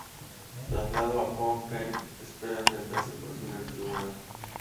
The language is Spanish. Trasladado a Phnom Penh espera enfrentarse por fin al Tribunal.